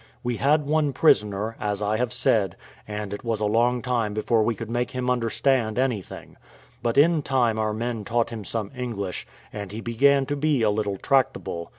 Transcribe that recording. We had one prisoner, as I have said, and it was a long time before we could make him understand anything; but in time our men taught him some English, and he began to be a little tractable.